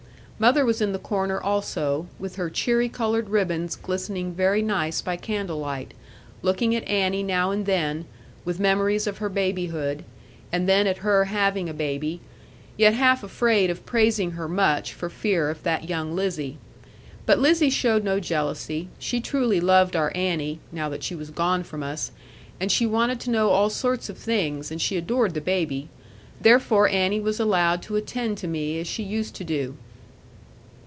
Mother was in the corner also, with her cheery coloured ribbons glistening very nice by candle light, looking at Annie now and then, with memories of her babyhood; and then at her having a baby: yet half afraid of praising her much, for fear of that young Lizzie. But Lizzie showed no jealousy: she truly loved our Annie (now that she was gone from us), and she wanted to know all sorts of things, and she adored the baby. Therefore Annie was allowed to attend to me, as she used to do.